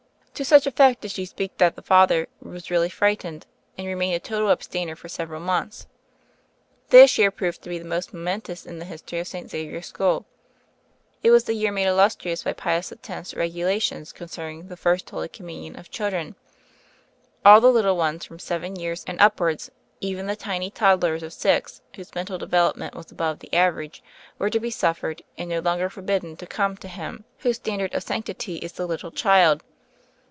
To such effect did she speak that the father was really fright ened, and remained a total abstainer for sev eral months. This year proved to be the most momentous in the history of St. Xavier School: it was the year made illustrious by Pius X's regulations concerning the First Holy Communion of chil dren. All the little ones from seven years and upwards — even the tiny toddlers of six whose mental development was above the average — were to be suffered and no longer forbidden to come to Him whose standard of sanctity is the little child.